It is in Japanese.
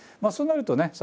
そうなるとね